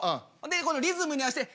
このリズムに合わして。